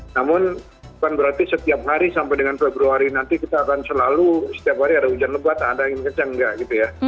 namun bukan berarti setiap hari sampai dengan februari nanti kita akan selalu setiap hari ada hujan lebat ada angin kencang enggak gitu ya